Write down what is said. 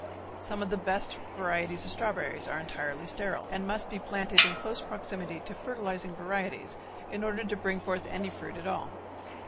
Some of the best varieties of strawberries are entirely sterile and must be planted in close proximity to fertilizing varieties in order to bring forth any fruit at all.